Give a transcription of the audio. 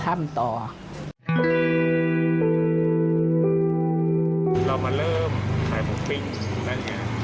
เรามาเริ่มขายหมุกปิ้ง